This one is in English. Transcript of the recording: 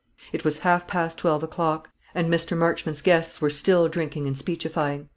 It was half past twelve o'clock, and Mr. Marchmont's guests were still drinking and speechifying.